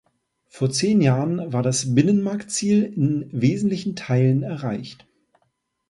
Vor zehn Jahren war das Binnenmarktziel in wesentlichen Teilen erreicht.